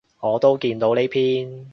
我都見到呢篇